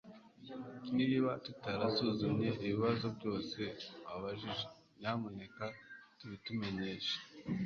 niba tutarasuzumye ibibazo byose wabajije, nyamuneka tubitumenyeshe